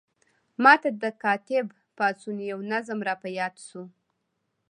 ما ته د کاتب پاڅون یو نظم را په یاد شو.